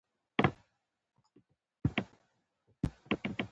سپين ګلاب چې زما له خوا رالېږل شوي وو په ګلدان کې ایښي وو.